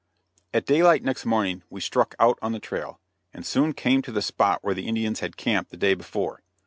At daylight next morning we struck out on the trail, and soon came to the spot where the Indians had camped the day before.